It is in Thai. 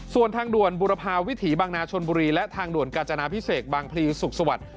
ส่วนทางด่วนบุรพาวิถีบางนาชนบุรีและทางด่วนกาญจนาพิเศษบางพลีสุขสวัสดิ์